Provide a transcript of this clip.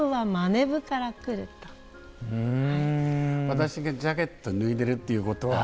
私がジャケット脱いでるっていうことは。